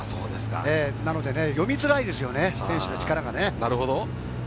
なので読みづらいですよね、選手の力が。